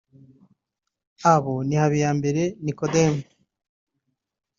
Abo ni Habiyambere Nicodem